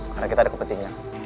karena kita ada kepentingannya